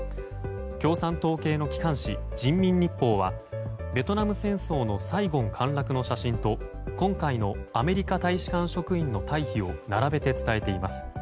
共産党系の機関紙、人民日報はベトナム戦争のサイゴン陥落の写真と今回のアメリカ大使館職員の退避を並べて伝えています。